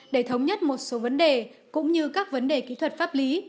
để thống nhất một số vấn đề cũng như các vấn đề kỹ thuật pháp lý